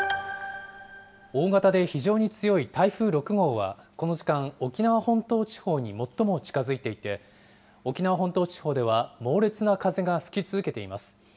大型で非常に強い台風６号は、この時間、沖縄本島地方に最も近づいていて、沖縄本島地方では猛烈な風が吹き続けています。